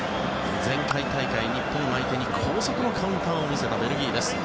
前回大会、日本相手に高速のカウンターを見せたベルギーです。